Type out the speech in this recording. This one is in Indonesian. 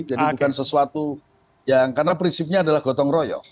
jadi bukan sesuatu yang karena prinsipnya adalah gotong royok